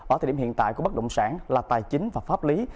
ở thời điểm hiện tại của bất động sản là tài chính và pháp lý